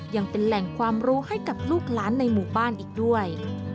ยังเป็นแหล่งความรู้ให้กับลูกหลานในหมู่บ้านอีกด้วย